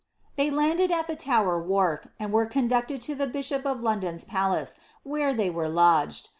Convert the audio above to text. They landed at the Toner whkrf, kiid were conducted to the biahop of London's palace, where they were lodged.